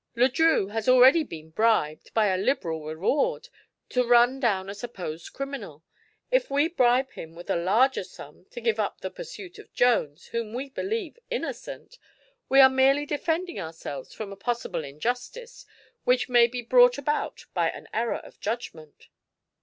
Le Drieux has already been bribed, by a liberal reward, to run down a supposed criminal. If we bribe him with a larger sum to give up the pursuit of Jones, whom we believe innocent, we are merely defending ourselves from a possible injustice which may be brought about by an error of judgment."